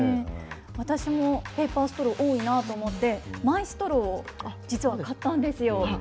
私も、ストロー、多いなと思って、マイストローを実は買ったんですよ。